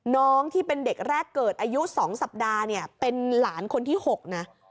น้องที่เป็นเด็กแรกเกิดอายุ๒สัปดาห์เนี่ยเป็นหลานคนที่๖นะ